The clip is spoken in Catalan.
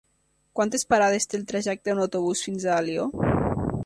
Quantes parades té el trajecte en autobús fins a Alió?